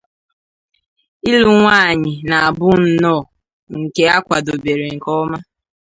ịlụ nwaanyị na-abụ nnọọ nke a kwadobere nke ọma